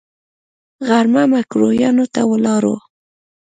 غرمه ميکرويانو ته ولاړو.